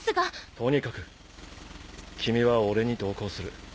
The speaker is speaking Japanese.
とにかく君は俺に同行する。